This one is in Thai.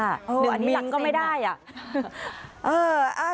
อันนี้หลักก็ไม่ได้อ่ะ